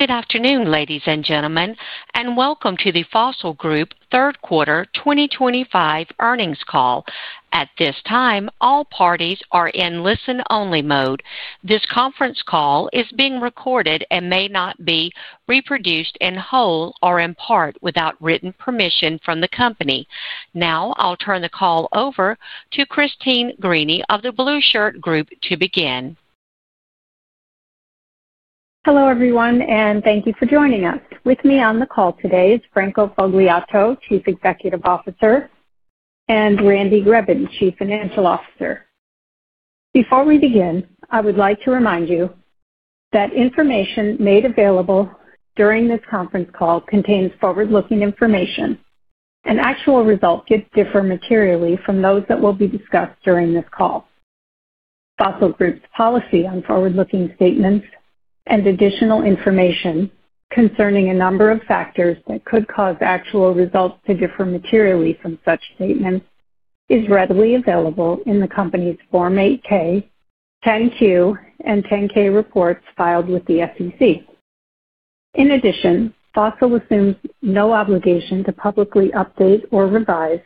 Good afternoon, ladies and gentlemen, and welcome to the Fossil Group third quarter 2025 earnings call. At this time, all parties are in listen-only mode. This conference call is being recorded and may not be reproduced in whole or in part without written permission from the company. Now, I'll turn the call over to Christine Greany of The Blueshirt Group to begin. Hello, everyone, and thank you for joining us. With me on the call today is Franco Fogliato, Chief Executive Officer, and Randy Greben, Chief Financial Officer. Before we begin, I would like to remind you that information made available during this conference call contains forward-looking information. An actual result could differ materially from those that will be discussed during this call. Fossil Group's policy on forward-looking statements and additional information concerning a number of factors that could cause actual results to differ materially from such statements is readily available in the company's Form 8K, 10Q, and 10K reports filed with the FEC. In addition, Fossil assumes no obligation to publicly update or revise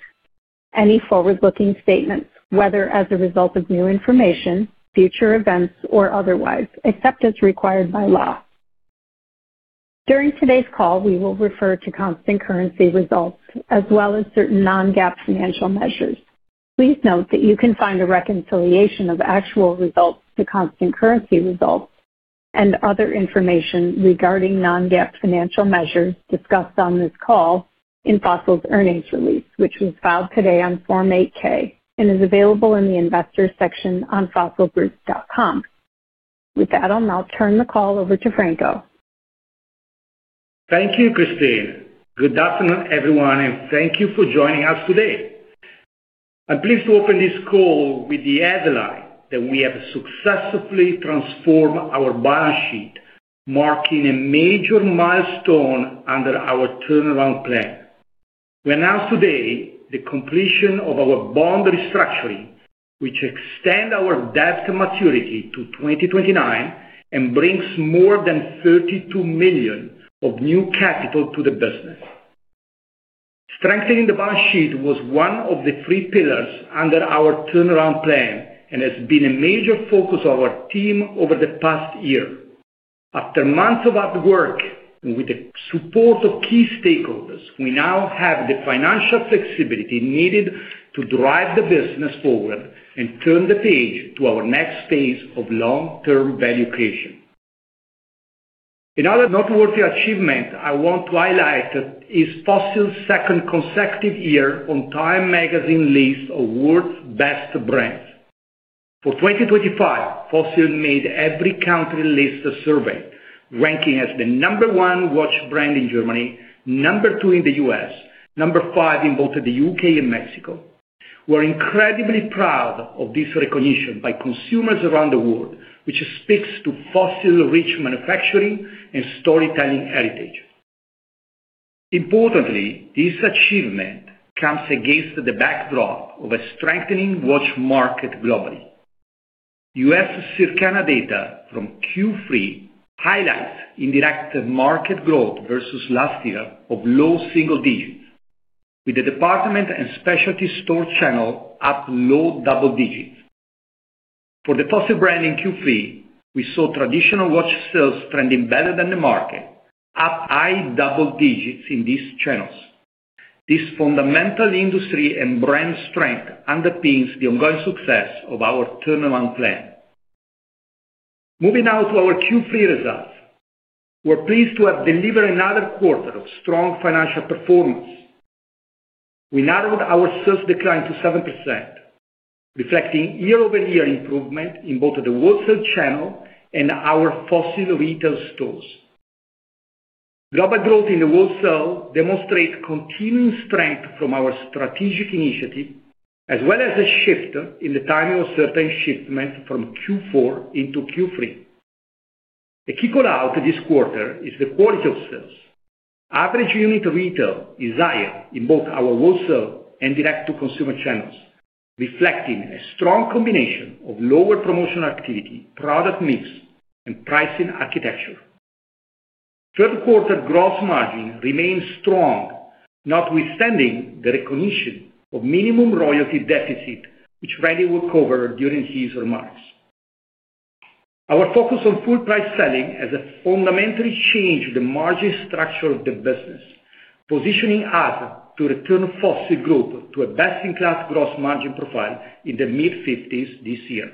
any forward-looking statements, whether as a result of new information, future events, or otherwise, except as required by law. During today's call, we will refer to constant currency results as well as certain non-GAAP financial measures. Please note that you can find a reconciliation of actual results to constant currency results and other information regarding non-GAAP financial measures discussed on this call in Fossil's earnings release, which was filed today on Form 8K and is available in the investors' section on fossilgroup.com. With that, I'll now turn the call over to Franco. Thank you, Christine. Good afternoon, everyone, and thank you for joining us today. I'm pleased to open this call with the headline that we have successfully transformed our balance sheet, marking a major milestone under our turnaround plan. We announced today the completion of our balance sheet restructuring, which extends our debt maturity to 2029 and brings more than $32 million of new capital to the business. Strengthening the balance sheet was one of the three pillars under our turnaround plan and has been a major focus of our team over the past year. After months of hard work and with the support of key stakeholders, we now have the financial flexibility needed to drive the business forward and turn the page to our next phase of long-term value creation. Another noteworthy achievement I want to highlight is Fossil's second consecutive year on Time Magazine list of world's best brands. For 2025, Fossil made every country list a survey, ranking as the number one watch brand in Germany, number two in the U.S., and number five in both the U.K. and Mexico. We are incredibly proud of this recognition by consumers around the world, which speaks to Fossil-rich manufacturing and storytelling heritage. Importantly, this achievement comes against the backdrop of a strengthening watch market globally. U.S. Circana data from Q3 highlights indirect market growth versus last year of low single digits, with the department and specialty store channel up low double digits. For the Fossil brand in Q3, we saw traditional watch sales trending better than the market, up high double digits in these channels. This fundamental industry and brand strength underpins the ongoing success of our turnaround plan. Moving now to our Q3 results, we're pleased to have delivered another quarter of strong financial performance. We narrowed our sales decline to 7%, reflecting year-over-year improvement in both the wholesale channel and our Fossil retail stores. Global growth in the wholesale demonstrates continuing strength from our strategic initiative, as well as a shift in the timing of certain shipments from Q4 into Q3. A key callout this quarter is the quality of sales. Average unit retail is higher in both our wholesale and direct-to-consumer channels, reflecting a strong combination of lower promotional activity, product mix, and pricing architecture. Third-quarter gross margin remains strong, notwithstanding the recognition of minimum royalty deficit, which Randy will cover during his remarks. Our focus on full-price selling has fundamentally changed the margin structure of the business, positioning us to return Fossil Group to a best-in-class gross margin profile in the mid-50s this year.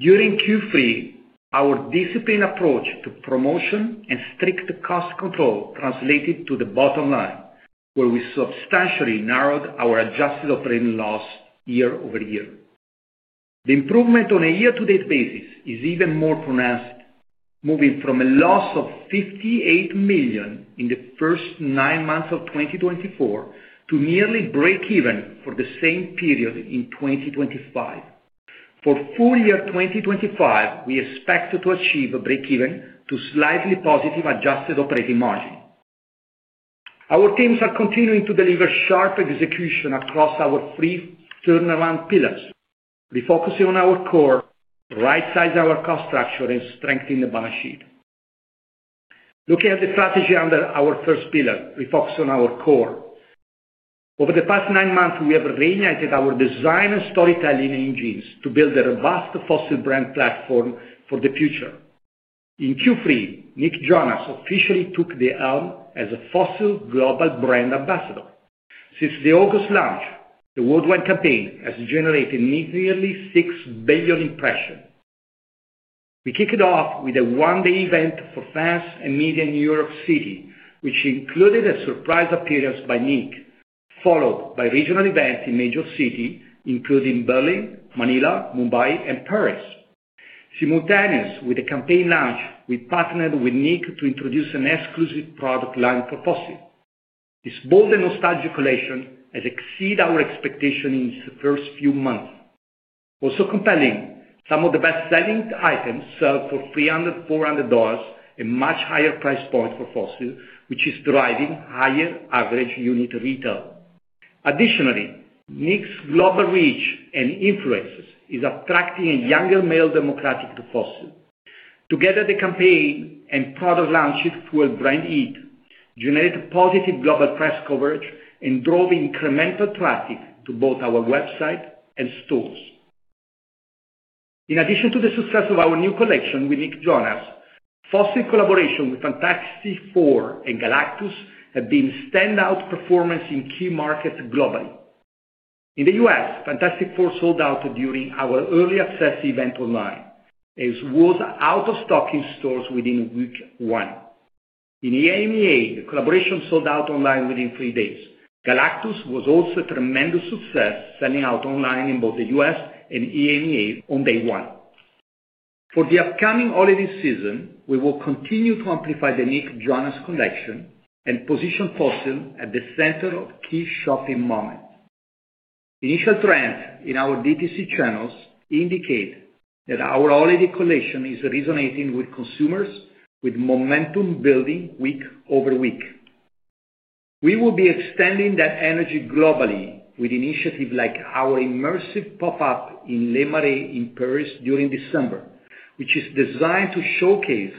During Q3, our disciplined approach to promotion and strict cost control translated to the bottom line, where we substantially narrowed our adjusted operating loss year-over-year. The improvement on a year-to-date basis is even more pronounced, moving from a loss of $58 million in the first nine months of 2024 to nearly break-even for the same period in 2025. For full year 2025, we expect to achieve a break-even to slightly positive adjusted operating margin. Our teams are continuing to deliver sharp execution across our three turnaround pillars. We focus on our core, right-size our cost structure, and strengthen the balance sheet. Looking at the strategy under our first pillar, we focus on our core. Over the past nine months, we have reunited our design and storytelling engines to build a robust Fossil brand platform for the future. In Q3, Nick Jonas officially took the helm as a Fossil Global Brand Ambassador. Since the August launch, the worldwide campaign has generated nearly 6 billion impressions. We kicked it off with a one-day event for fans and media in New York City, which included a surprise appearance by Nick, followed by regional events in major cities, including Berlin, Manila, Mumbai, and Paris, simultaneous with a campaign launch. We partnered with Nick to introduce an exclusive product line for Fossil. This bold and nostalgic collection has exceeded our expectations in the first few months. Also compelling, some of the best-selling items sold for $300, $400, a much higher price point for Fossil, which is driving higher average unit retail. Additionally, Nick's global reach and influence are attracting a younger male demographic to Fossil. Together, the campaign and product launch with brand EAT generated positive global press coverage and drove incremental traffic to both our website and stores. In addition to the success of our new collection with Nick Jonas, Fossil collaborations with Fantastic Four and Galactus have been standout performances in key markets globally. In the U.S., Fantastic Four sold out during our early access event online, as was out-of-stock in stores within week one. In EMEA, the collaboration sold out online within three days. Galactus was also a tremendous success, selling out online in both the U.S. and EMEA on day one. For the upcoming holiday season, we will continue to amplify the Nick Jonas collection and position Fossil at the center of key shopping moments. Initial trends in our DTC channels indicate that our holiday collection is resonating with consumers, with momentum building week over week. We will be extending that energy globally with initiatives like our immersive pop-up in Le Marais in Paris during December, which is designed to showcase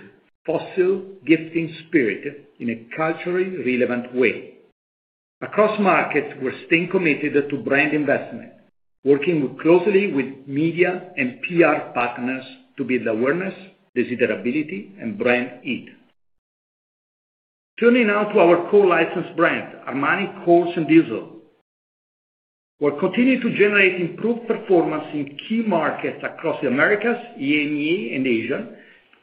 Fossil's gifting spirit in a culturally relevant way. Across markets, we're staying committed to brand investment, working closely with media and PR partners to build awareness, visibility, and brand heat. Turning now to our co-licensed brand, Armani, Kors and Diesel, we'll continue to generate improved performance in key markets across the Americas, EMEA and Asia,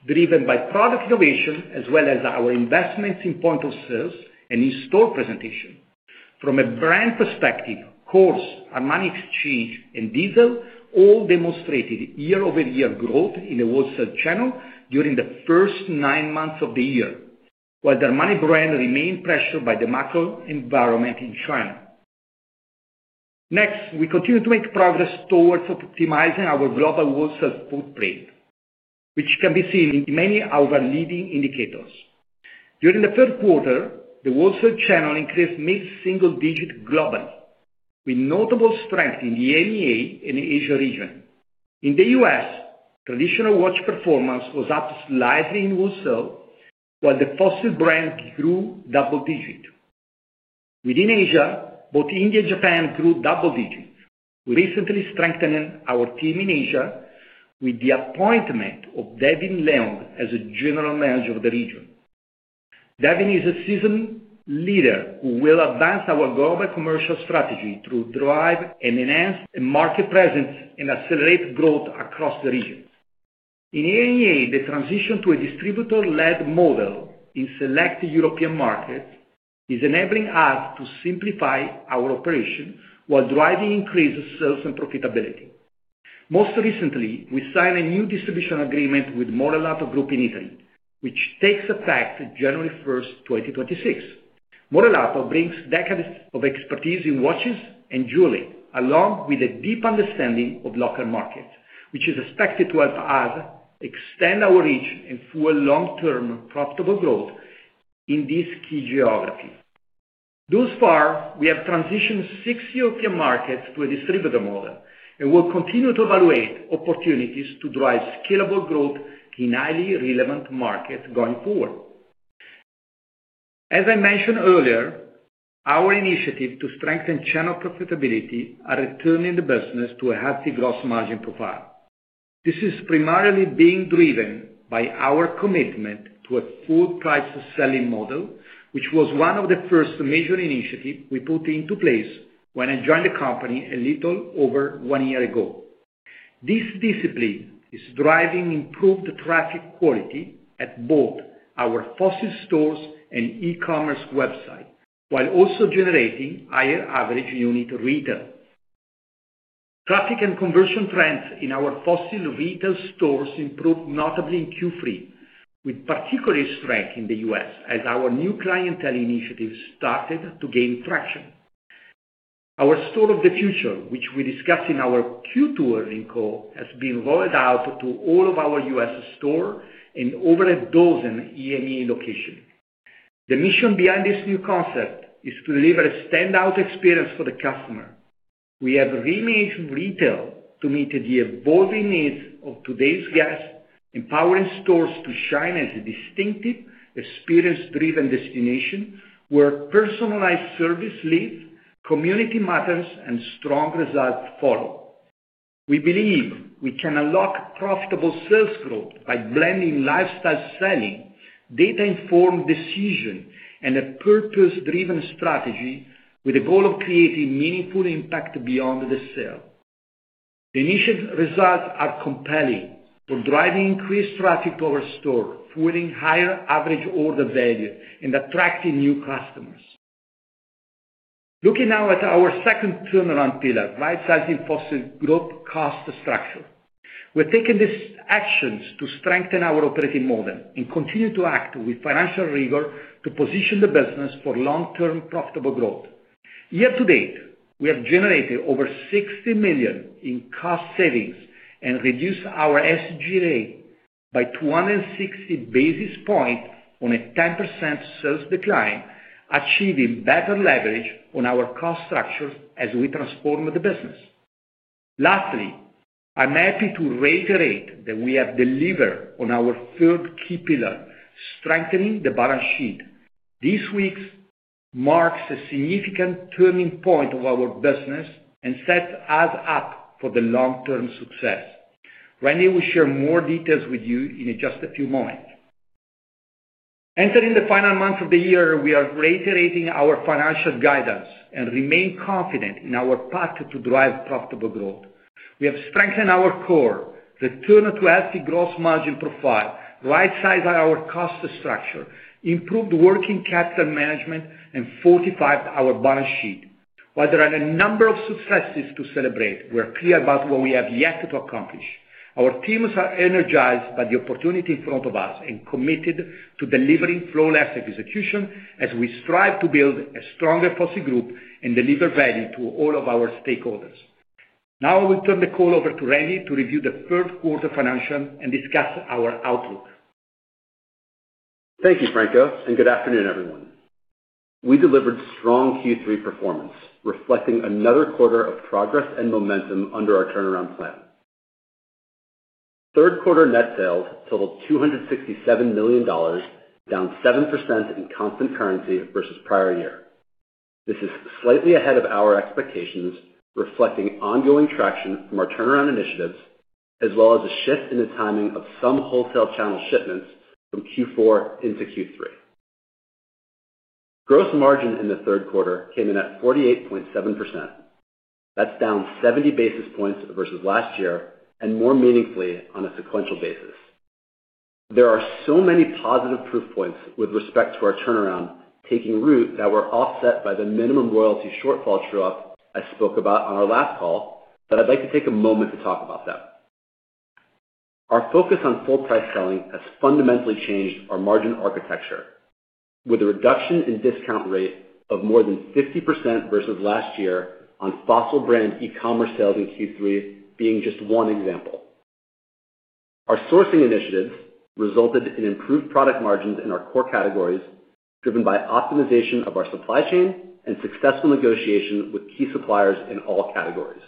driven by product innovation, as well as our investments in point of sales and in-store presentation. From a brand perspective, Kors, Armani Exchange, and Diesel all demonstrated year-over-year growth in the wholesale channel during the first nine months of the year, while the Armani brand remained pressured by the macro environment in China. Next, we continue to make progress towards optimizing our global wholesale footprint, which can be seen in many of our leading indicators. During the third quarter, the wholesale channel increased mid-single digit globally, with notable strength in the EMEA and Asia region. In the U.S., traditional watch performance was up slightly in wholesale, while the Fossil brand grew double digit. Within Asia, both India and Japan grew double digit, recently strengthening our team in Asia with the appointment of Davin Leong as General Manager of the region. Davin is a seasoned leader who will advance our global commercial strategy to drive and enhance market presence and accelerate growth across the region. In EMEA, the transition to a distributor-led model in select European markets is enabling us to simplify our operation while driving increased sales and profitability. Most recently, we signed a new distribution agreement with Morellato Group in Italy, which takes effect January 1, 2026. Morellato brings decades of expertise in watches and jewelry, along with a deep understanding of local markets, which is expected to help us extend our reach and fuel long-term profitable growth in this key geography. Thus far, we have transitioned six European markets to a distributor model, and we'll continue to evaluate opportunities to drive scalable growth in highly relevant markets going forward. As I mentioned earlier, our initiative to strengthen channel profitability is returning the business to a healthy gross margin profile. This is primarily being driven by our commitment to a full-price selling model, which was one of the first major initiatives we put into place when I joined the company a little over one year ago. This discipline is driving improved traffic quality at both our Fossil stores and e-commerce website, while also generating higher average unit retail. Traffic and conversion trends in our Fossil retail stores improved notably in Q3, with particular strength in the U.S. as our new clientele initiatives started to gain traction. Our store of the future, which we discussed in our Q2 earning call, has been rolled out to all of our U.S. stores and over a dozen EMEA locations. The mission behind this new concept is to deliver a standout experience for the customer. We have reimagined retail to meet the evolving needs of today's guests, empowering stores to shine as a distinctive, experience-driven destination where personalized service leads, community matters, and strong results follow. We believe we can unlock profitable sales growth by blending lifestyle selling, data-informed decision, and a purpose-driven strategy with the goal of creating meaningful impact beyond the sale. The initial results are compelling for driving increased traffic to our store, fueling higher average order value, and attracting new customers. Looking now at our second turnaround pillar, right-sizing Fossil Group cost structure. We're taking these actions to strengthen our operating model and continue to act with financial rigor to position the business for long-term profitable growth. year-to-date, we have generated over $60 million in cost savings and reduced our SG&A by 260 basis points on a 10% sales decline, achieving better leverage on our cost structure as we transform the business. Lastly, I'm happy to reiterate that we have delivered on our third key pillar, strengthening the balance sheet. This week marks a significant turning point of our business and sets us up for the long-term success. Randy, we'll share more details with you in just a few moments. Entering the final month of the year, we are reiterating our financial guidance and remain confident in our path to drive profitable growth. We have strengthened our core, returned to healthy gross margin profile, right-sized our cost structure, improved working capital management, and fortified our balance sheet. While there are a number of successes to celebrate, we're clear about what we have yet to accomplish. Our teams are energized by the opportunity in front of us and committed to delivering flawless execution as we strive to build a stronger Fossil Group and deliver value to all of our stakeholders. Now, I will turn the call over to Randy to review the third quarter financial and discuss our outlook. Thank you, Franco, and good afternoon, everyone. We delivered strong Q3 performance, reflecting another quarter of progress and momentum under our turnaround plan. Third-quarter net sales totaled $267 million, down 7% in constant currency versus prior year. This is slightly ahead of our expectations, reflecting ongoing traction from our turnaround initiatives, as well as a shift in the timing of some wholesale channel shipments from Q4 into Q3. Gross margin in the third quarter came in at 48.7%. That is down 70 basis points versus last year, and more meaningfully on a sequential basis. There are so many positive proof points with respect to our turnaround taking root that were offset by the minimum royalty shortfall throw-up I spoke about on our last call that I would like to take a moment to talk about that. Our focus on full-price selling has fundamentally changed our margin architecture, with a reduction in discount rate of more than 50% versus last year on Fossil brand e-commerce sales in Q3 being just one example. Our sourcing initiatives resulted in improved product margins in our core categories, driven by optimization of our supply chain and successful negotiation with key suppliers in all categories.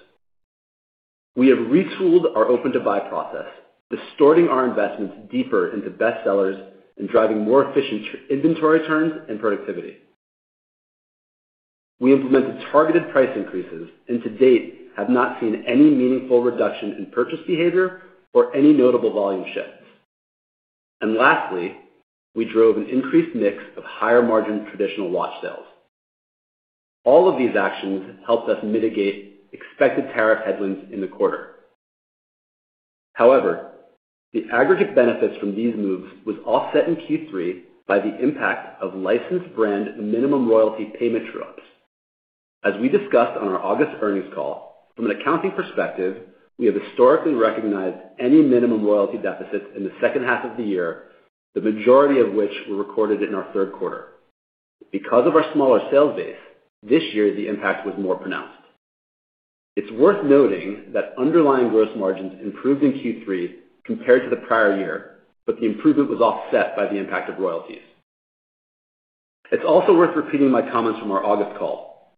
We have retooled our open-to-buy process, distorting our investments deeper into best sellers and driving more efficient inventory turns and productivity. We implemented targeted price increases and to date have not seen any meaningful reduction in purchase behavior or any notable volume shifts. Lastly, we drove an increased mix of higher margin traditional watch sales. All of these actions helped us mitigate expected tariff headwinds in the quarter. However, the aggregate benefits from these moves were offset in Q3 by the impact of licensed brand minimum royalty payment drops. As we discussed on our August earnings call, from an accounting perspective, we have historically recognized any minimum royalty deficits in the second half of the year, the majority of which were recorded in our third quarter. Because of our smaller sales base, this year the impact was more pronounced. It's worth noting that underlying gross margins improved in Q3 compared to the prior year, but the improvement was offset by the impact of royalties. It's also worth repeating my comments from our August call.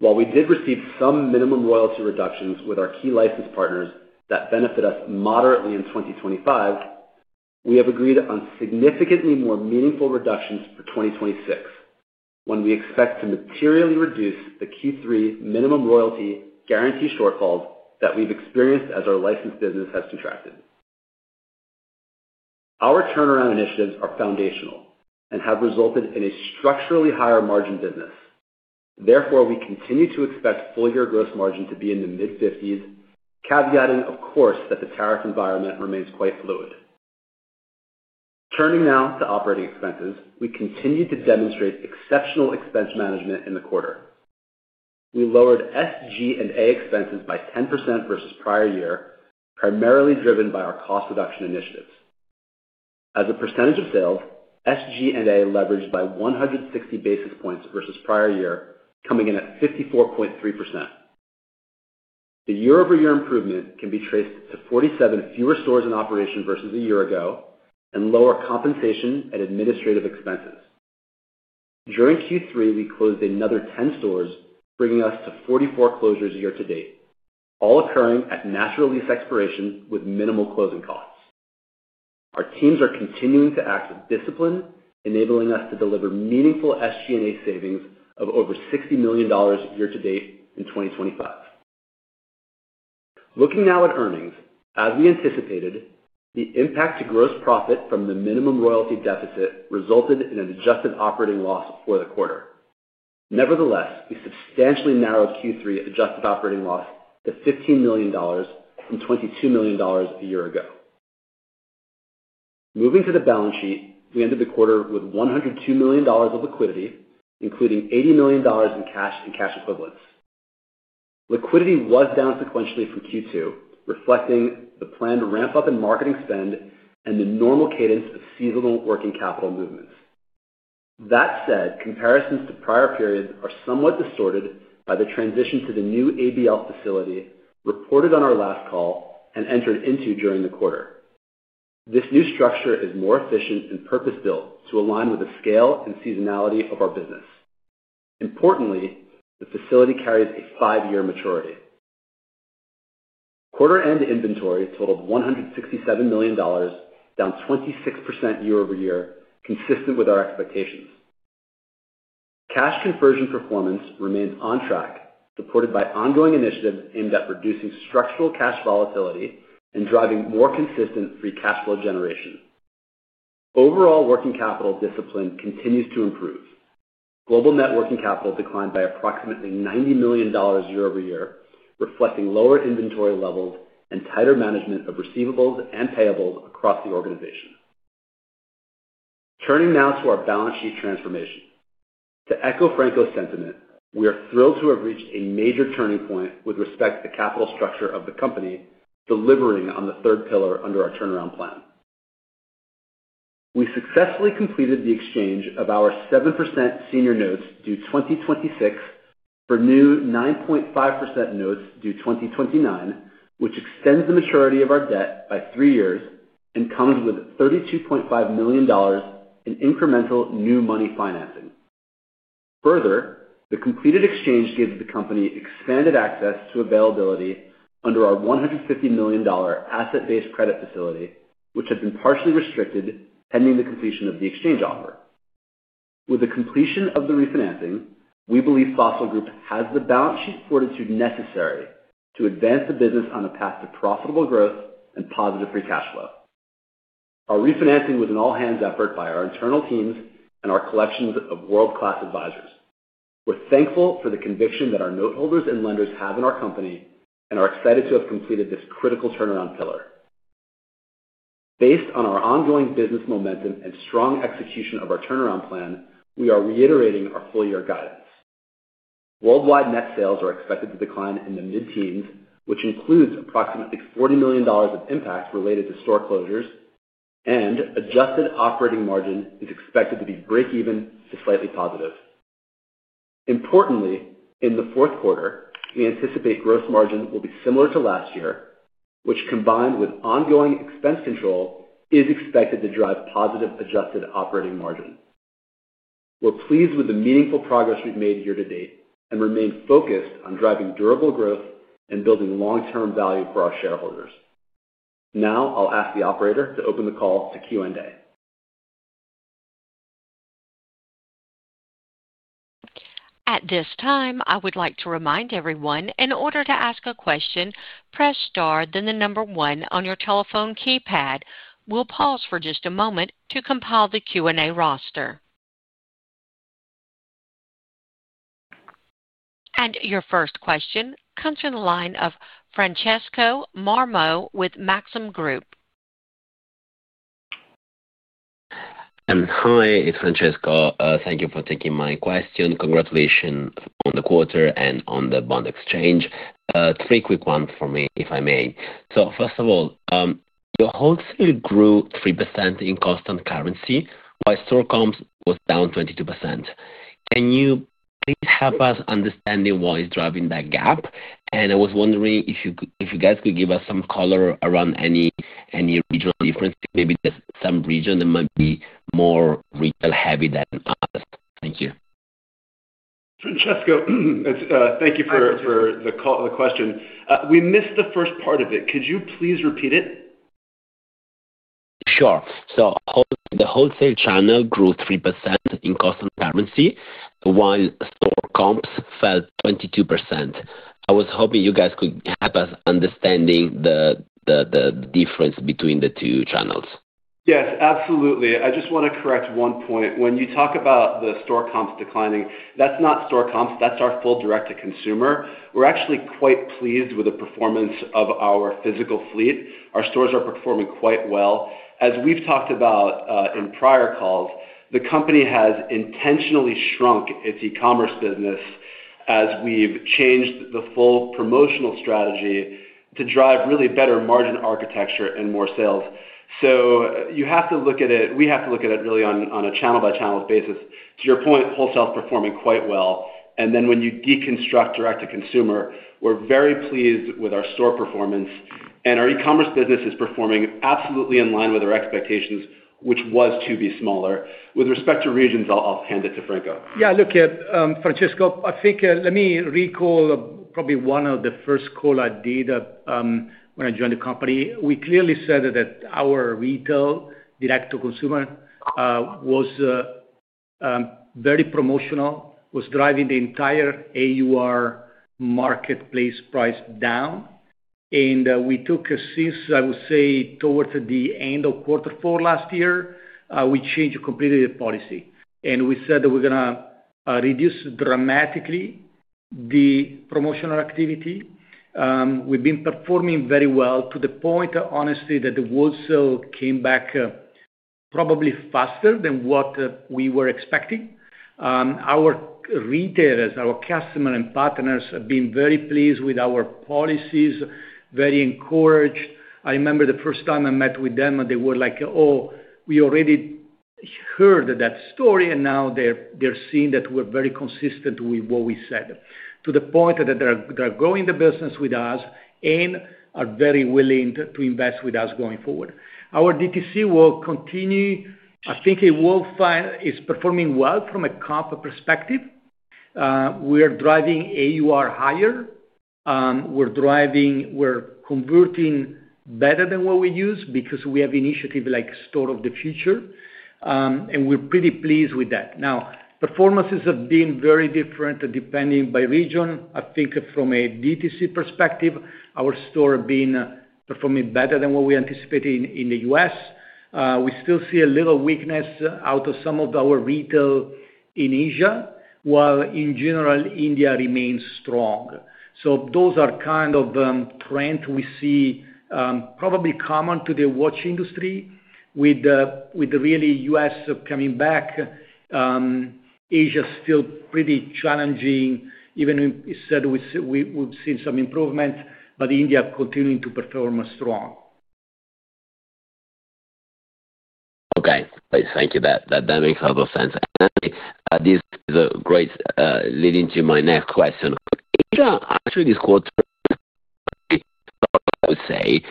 While we did receive some minimum royalty reductions with our key licensed partners that benefit us moderately in 2025, we have agreed on significantly more meaningful reductions for 2026, when we expect to materially reduce the Q3 minimum royalty guarantee shortfalls that we've experienced as our licensed business has contracted. Our turnaround initiatives are foundational and have resulted in a structurally higher margin business. Therefore, we continue to expect full-year gross margin to be in the mid-50s, caveating, of course, that the tariff environment remains quite fluid. Turning now to operating expenses, we continue to demonstrate exceptional expense management in the quarter. We lowered SG&A expenses by 10% versus prior year, primarily driven by our cost reduction initiatives. As a percentage of sales, SG&A leveraged by 160 basis points versus prior year, coming in at 54.3%. The year-over-year improvement can be traced to 47 fewer stores in operation versus a year ago and lower compensation and administrative expenses. During Q3, we closed another 10 stores, bringing us to 44 closures year-to-date, all occurring at natural lease expiration with minimal closing costs. Our teams are continuing to act with discipline, enabling us to deliver meaningful SG&A savings of over $60 million year-to-date in 2025. Looking now at earnings, as we anticipated, the impact to gross profit from the minimum royalty deficit resulted in an adjusted operating loss for the quarter. Nevertheless, we substantially narrowed Q3 adjusted operating loss to $15 million from $22 million a year ago. Moving to the balance sheet, we ended the quarter with $102 million of liquidity, including $80 million in cash and cash equivalents. Liquidity was down sequentially from Q2, reflecting the planned ramp-up in marketing spend and the normal cadence of seasonal working capital movements. That said, comparisons to prior periods are somewhat distorted by the transition to the new ABL facility reported on our last call and entered into during the quarter. This new structure is more efficient and purpose-built to align with the scale and seasonality of our business. Importantly, the facility carries a five-year maturity. Quarter-end inventory totaled $167 million, down 26% year-over-year, consistent with our expectations. Cash conversion performance remains on track, supported by ongoing initiatives aimed at reducing structural cash volatility and driving more consistent free cash flow generation. Overall, working capital discipline continues to improve. Global net working capital declined by approximately $90 million year-over-year, reflecting lower inventory levels and tighter management of receivables and payables across the organization. Turning now to our balance sheet transformation. To echo Franco's sentiment, we are thrilled to have reached a major turning point with respect to the capital structure of the company, delivering on the third pillar under our turnaround plan. We successfully completed the exchange of our 7% senior notes due 2026 for new 9.5% notes due 2029, which extends the maturity of our debt by three years and comes with $32.5 million in incremental new money financing. Further, the completed exchange gives the company expanded access to availability under our $150 million asset-based credit facility, which had been partially restricted pending the completion of the exchange offer. With the completion of the refinancing, we believe Fossil Group has the balance sheet fortitude necessary to advance the business on a path to profitable growth and positive free cash flow. Our refinancing was an all-hands effort by our internal teams and our collections of world-class advisors. We're thankful for the conviction that our noteholders and lenders have in our company and are excited to have completed this critical turnaround pillar. Based on our ongoing business momentum and strong execution of our turnaround plan, we are reiterating our full-year guidance. Worldwide net sales are expected to decline in the mid-teens, which includes approximately $40 million of impact related to store closures, and adjusted operating margin is expected to be break-even to slightly positive. Importantly, in the fourth quarter, we anticipate gross margin will be similar to last year, which combined with ongoing expense control is expected to drive positive adjusted operating margin. We're pleased with the meaningful progress we've made year-to-date and remain focused on driving durable growth and building long-term value for our shareholders. Now, I'll ask the Operator to open the call to Q&A. At this time, I would like to remind everyone, in order to ask a question, press star, then the number one on your telephone keypad. We'll pause for just a moment to compile the Q&A roster. Your first question comes from the line of Francesco Marmo with Maxim Group. Hi, it's Francesco. Thank you for taking my question. Congratulations on the quarter and on the bond exchange. Three quick ones for me, if I may. First of all, your wholesale grew 3% in constant currency, while store comps was down 22%. Can you please help us understand what is driving that gap? I was wondering if you guys could give us some color around any regional difference, maybe there's some region that might be more retail-heavy than others. Thank you. Francesco, thank you for the question. We missed the first part of it. Could you please repeat it? Sure. The wholesale channel grew 3% in constant currency, while store comps fell 22%. I was hoping you guys could help us understand the difference between the two channels. Yes, absolutely. I just want to correct one point. When you talk about the store comps declining, that's not store comps. That's our full direct-to-consumer. We're actually quite pleased with the performance of our physical fleet. Our stores are performing quite well. As we've talked about in prior calls, the company has intentionally shrunk its e-commerce business as we've changed the full promotional strategy to drive really better margin architecture and more sales. You have to look at it, we have to look at it really on a channel-by-channel basis. To your point, wholesale is performing quite well. When you deconstruct direct-to-consumer, we're very pleased with our store performance. Our e-commerce business is performing absolutely in line with our expectations, which was to be smaller. With respect to regions, I'll hand it to Franco. Yeah, look, Francesco, I think let me recall probably one of the first calls I did when I joined the company. We clearly said that our retail direct-to-consumer was very promotional, was driving the entire AUR marketplace price down. We took a, since, I would say, towards the end of quarter four last year, we changed completely the policy. We said that we're going to reduce dramatically the promotional activity. We've been performing very well to the point, honestly, that the wholesale came back probably faster than what we were expecting. Our retailers, our customers, and partners have been very pleased with our policies, very encouraged. I remember the first time I met with them, they were like, "Oh, we already heard that story, and now they're seeing that we're very consistent with what we said," to the point that they're growing the business with us and are very willing to invest with us going forward. Our DTC will continue. I think it's performing well from a comp perspective. We're driving AUR higher. We're converting better than what we used because we have initiatives like Store of the Future, and we're pretty pleased with that. Now, performances have been very different depending by region. I think from a DTC perspective, our store has been performing better than what we anticipated in the U.S.. We still see a little weakness out of some of our retail in Asia, while in general, India remains strong. Those are kind of trends we see probably common to the watch industry with really U.S. coming back. Asia is still pretty challenging. Even instead, we've seen some improvement, but India is continuing to perform strong. Okay. Thank you. That makes a lot of sense. This is great leading to my next question. Asia, actually, this quarter, I would say,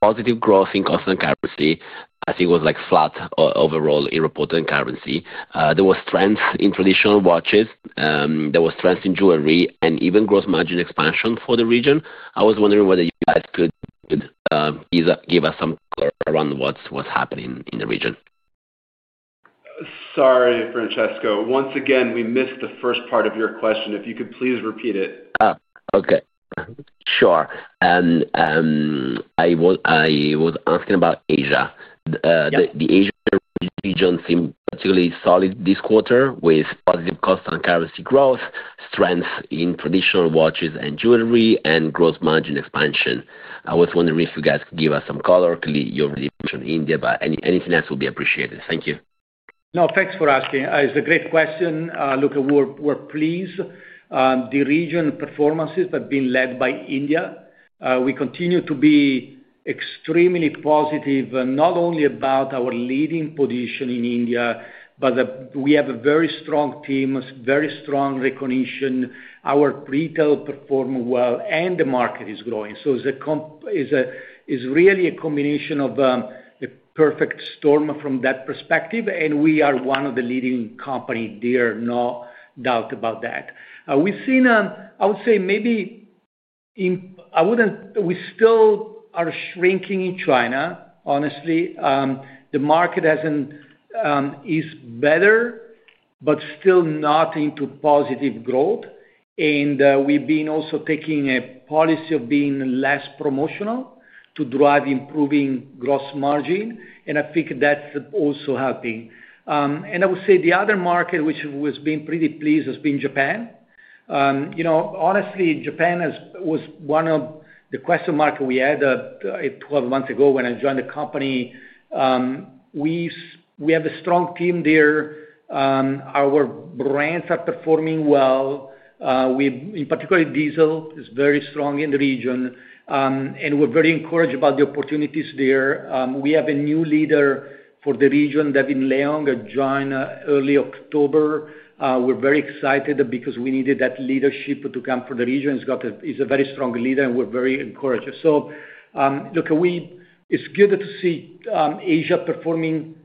positive growth in constant currency. I think it was flat overall in reported currency. There were strengths in traditional watches. There were strengths in jewelry and even gross margin expansion for the region. I was wondering whether you guys could give us some color around what's happening in the region. Sorry, Francesco. Once again, we missed the first part of your question. If you could please repeat it. Okay. Sure. I was asking about Asia. The Asia region seemed particularly solid this quarter with positive cost and currency growth, strengths in traditional watches and jewelry, and gross margin expansion. I was wondering if you guys could give us some color, clearly, you already mentioned India, but anything else would be appreciated. Thank you. No, thanks for asking. It's a great question. Look, we're pleased. The region performances have been led by India. We continue to be extremely positive, not only about our leading position in India, but we have a very strong team, very strong recognition. Our retail performed well, and the market is growing. It's really a combination of a perfect storm from that perspective, and we are one of the leading companies there, no doubt about that. We've seen, I would say, maybe we still are shrinking in China, honestly. The market is better, but still not into positive growth. We have been also taking a policy of being less promotional to drive improving gross margin, and I think that's also helping. I would say the other market which has been pretty pleased has been Japan. Honestly, Japan was one of the question marks we had 12 months ago when I joined the company. We have a strong team there. Our brands are performing well. In particular, Diesel is very strong in the region, and we're very encouraged about the opportunities there. We have a new leader for the region, Davin Leong, joined early October. We're very excited because we needed that leadership to come for the region. He's a very strong leader, and we're very encouraged. Look, it's good to see Asia performing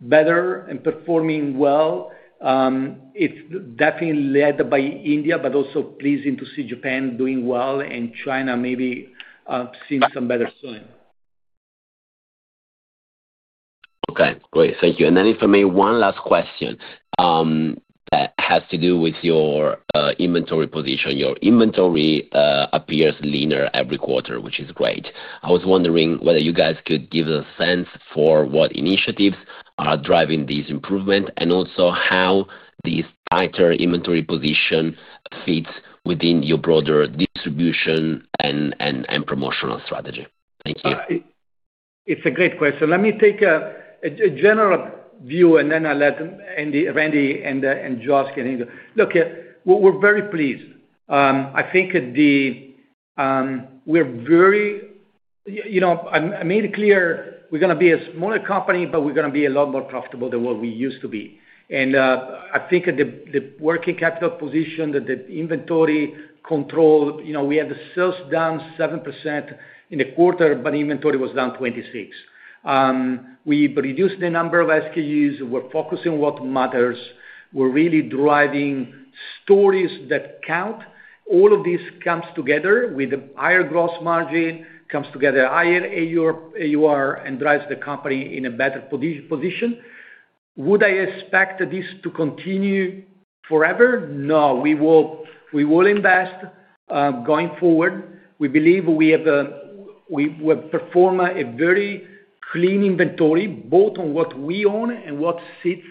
better and performing well. It's definitely led by India, but also pleased to see Japan doing well and China maybe seeing some better swing. Okay. Great. Thank you. If I may, one last question that has to do with your inventory position. Your inventory appears leaner every quarter, which is great. I was wondering whether you guys could give us a sense for what initiatives are driving this improvement and also how this tighter inventory position fits within your broader distribution and promotional strategy. Thank you. It's a great question. Let me take a general view, and then I'll let Randy and Josh get in. Look, we're very pleased. I think we're very—I made it clear we're going to be a smaller company, but we're going to be a lot more profitable than what we used to be. I think the working capital position, the inventory control, we had the sales down 7% in the quarter, but inventory was down 26%. We've reduced the number of SKUs. We're focusing on what matters. We're really driving stories that count. All of this comes together with a higher gross margin, comes together higher AUR, and drives the company in a better position. Would I expect this to continue forever? No. We will invest going forward. We believe we have performed a very clean inventory, both on what we own and what sits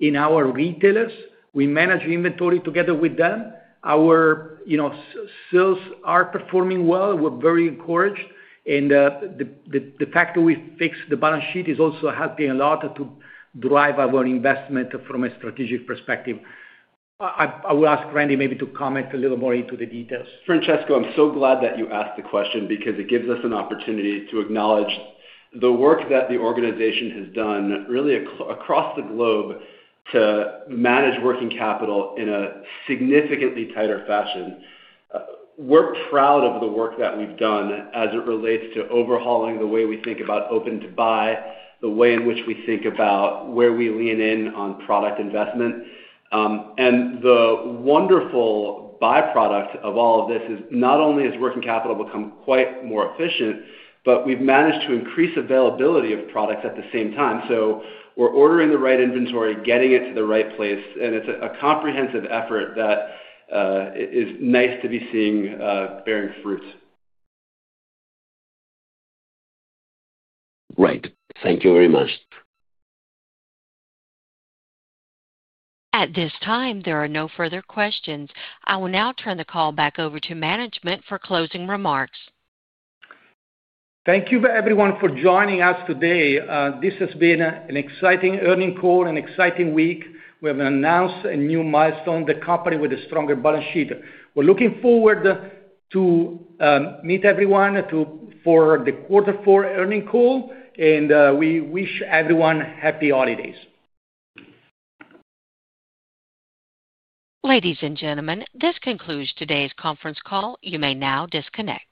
in our retailers. We manage inventory together with them. Our sales are performing well. We're very encouraged. The fact that we fixed the balance sheet is also helping a lot to drive our investment from a strategic perspective. I will ask Randy maybe to comment a little more into the details. Francesco, I'm so glad that you asked the question because it gives us an opportunity to acknowledge the work that the organization has done really across the globe to manage working capital in a significantly tighter fashion. We're proud of the work that we've done as it relates to overhauling the way we think about open-to-buy, the way in which we think about where we lean in on product investment. The wonderful byproduct of all of this is not only has working capital become quite more efficient, but we've managed to increase availability of products at the same time. We're ordering the right inventory, getting it to the right place. It's a comprehensive effort that is nice to be seeing bearing fruit. Great. Thank you very much. At this time, there are no further questions. I will now turn the call back over to management for closing remarks. Thank you, everyone, for joining us today. This has been an exciting earnings call, an exciting week. We have announced a new milestone, the company with a stronger balance sheet. We're looking forward to meeting everyone for the quarter four earnings call, and we wish everyone happy holidays. Ladies and gentlemen, this concludes today's conference call. You may now disconnect.